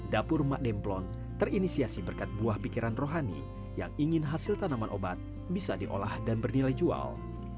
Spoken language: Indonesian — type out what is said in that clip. dapur mak demplon terinisiasi berkat buah pikiran rohani yang ingin hasil tanaman obat bisa diolah dan bernilai jual